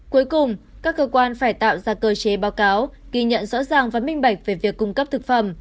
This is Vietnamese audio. cuối cùng các cơ quan phải tạo ra cơ chế báo cáo ghi nhận rõ ràng và minh bạch về việc cung cấp thực phẩm